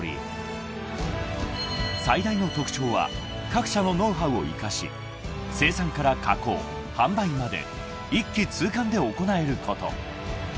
［最大の特徴は各社のノウハウを生かし生産から加工販売まで一気通貫で行えること］